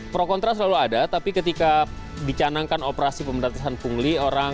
prokontra selalu ada tapi ketika dicanangkan operasi pemberantasan pungli